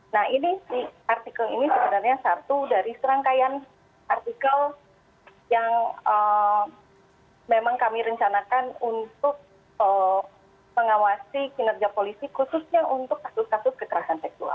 nah ini si artikel ini sebenarnya satu dari serangkaian artikel yang memang kami rencanakan untuk mengawasi kinerja polisi khususnya untuk kasus kasus kekerasan seksual